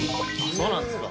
そうなんですか。